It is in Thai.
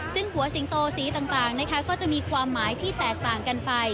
ซึ่งหัวสิงโตสีต่างนะคะก็จะมีความหมายที่แตกต่างกันไป